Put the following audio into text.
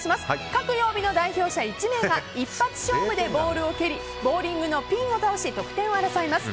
各曜日の代表者１名が一発勝負でボールを蹴りボウリングのピンを倒し得点を争います。